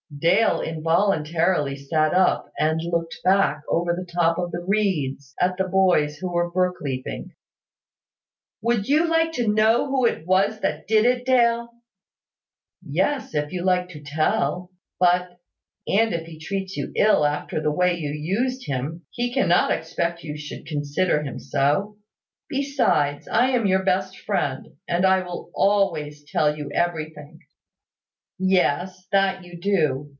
Dale involuntarily sat up, and looked back, over the top of the reeds, at the boys who were brook leaping. "Would you like to know who it was that did it, Dale?" "Yes, if you like to tell; but And if he treats you ill, after the way you used him, he cannot expect you should consider him so Besides, I am your best friend; and I always tell you everything!" "Yes, that you do.